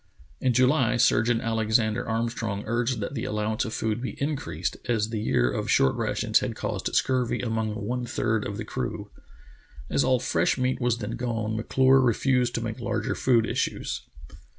In July Surgeon Alexander Armstrong urged that the allowance of food be increased, as the year of short rations had caused scurvy among one third of the crew. As all fresh meat was then gone, M'Clure re fused to make larger food issues.